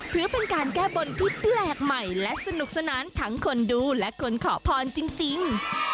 ถือเป็นการแก้บนที่แปลกใหม่และสนุกสนานทั้งคนดูและคนขอพรจริง